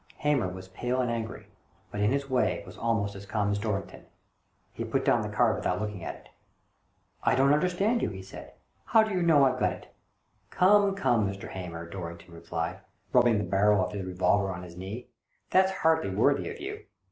Hamer was pale and angry, but, in his way, was almost as calm as Dorrington. He put down the card without looking at it. "I don't under stand you," he said. " How do you know I've got it?" " Come, come, Mr. Hamer," Dorrington re plied, rubbing the barrel of his revolver on his knee, " that's hardly worthy of you.